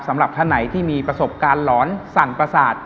สำหรับท่านไหนที่มีประสบการณ์หลอนสั่นประสาท